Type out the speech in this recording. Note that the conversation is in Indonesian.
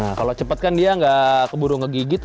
nah kalau cepet kan dia nggak keburu ngegigit